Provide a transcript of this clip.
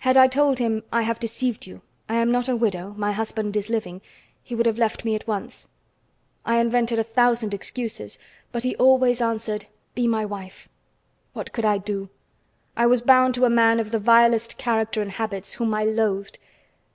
Had I told him: 'I have deceived you, I am not a widow; my husband is living,' he would have left me at once. I invented a thousand excuses, but he always answered: 'Be my wife!' What could I do? I was bound to a man of the vilest character and habits, whom I loathed.